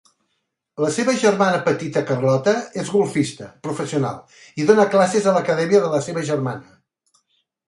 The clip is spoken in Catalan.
La seva germana petita Charlotta és golfista professional i dona classes a l'acadèmia de la seva germana.